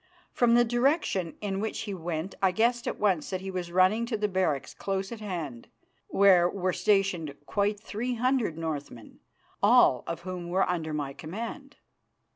From the direction in which he went I guessed at once that he was running to the barracks close at hand, where were stationed quite three hundred Northmen, all of whom were under my command.